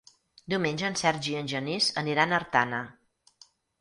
Diumenge en Sergi i en Genís aniran a Artana.